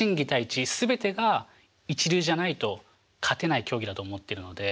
知全てが一流じゃないと勝てない競技だと思ってるので。